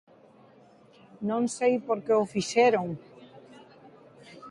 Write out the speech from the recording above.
Non sei por que o fixeron.